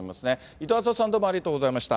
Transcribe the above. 伊藤惇夫さん、どうもありがとうございました。